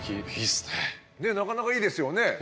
なかなかいいですよね。